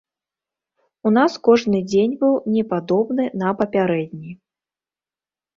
У нас кожны дзень быў не падобны на папярэдні.